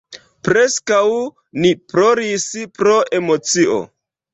Preskaŭ ni ploris pro emocio.